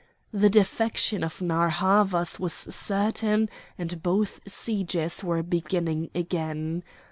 The defection of Narr' Havas was certain, and both sieges were beginning again.